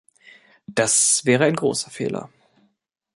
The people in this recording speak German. Das wäre ein großer Fehler.